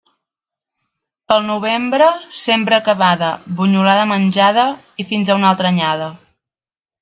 Pel novembre, sembra acabada, bunyolada menjada i fins a una altra anyada.